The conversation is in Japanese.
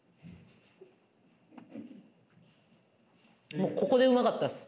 もうここでうまかったっす。